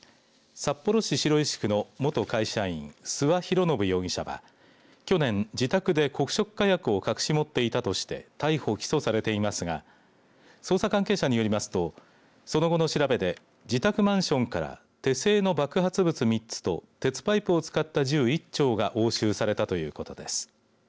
札幌市白石区の元会社員諏訪博宣容疑者は去年、自宅で黒色火薬を隠し持っていたとして逮捕、起訴されていますが捜査関係者によりますとその後の調べで自宅マンションから手製の爆発物３つと鉄パイプを使った銃１丁が押収されたということです。